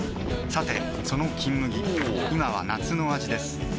さてその「金麦」今は夏の味ですおぉ！